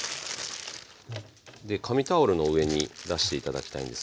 で紙タオルの上に出して頂きたいんです。